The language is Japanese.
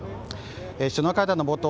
首脳会談の冒頭